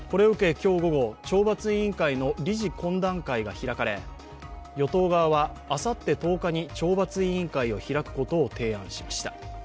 今日午後、懲罰委員会の理事懇談会が開かれ与党側はあさって１０日に懲罰委員会を開くことを提案しました。